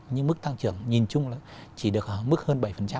nhưng mức tăng trưởng nhìn chung chỉ được mức hơn bảy